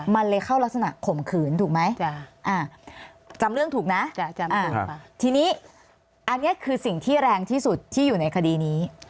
มันเลยเข้ารักษณข่มขืนถูกไหมจำเรื่องถูกนะจำถูกทีนี้อันนี้คือสิ่งที่แรงที่สุดที่อยู่ในคดีนี้